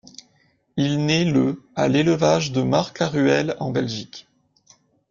Il naît le à l'élevage de Marc Laruelle, en Belgique.